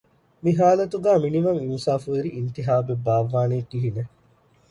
މި ހާލަތުގައި މިނިވަން އިންސާފުވެރި އިންތިޚާބެއް ބާއްވާނީ ކިހިނެއް؟